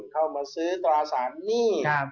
เข้ามาซื้อตราสารหนี้